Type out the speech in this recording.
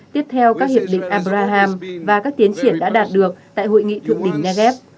tiếp theo các hiệp định abraham và các tiến triển đã đạt được tại hội nghị thượng đỉnh nagev